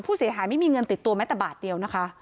ผู้เสียหายไม่มีเงินติดตัวแม้แต่บาทเดียวนะคะ